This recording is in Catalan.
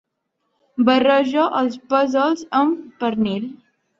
Barrejo els pèsols amb pernil.